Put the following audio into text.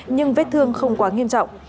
nhưng vết thương không quá nghiêm trọng